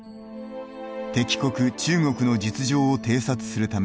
敵国中国の実情を偵察するため内